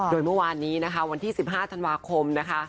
โดยเมื่อวานนี้นะคะวันที่๑๕ธันวาคมนะคะ